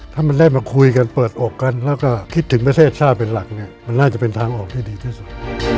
ถ้ามันได้มาคุยกันเปิดอกกันแล้วก็คิดถึงประเทศชาติเป็นหลักเนี่ยมันน่าจะเป็นทางออกที่ดีที่สุด